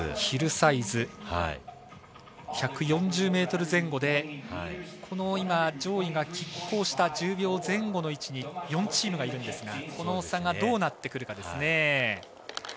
ヒルサイズ１４０ｍ前後でこの上位がきっ抗した１０秒前後の位置に４チームがいるんですがその差がどうなってくるかですね。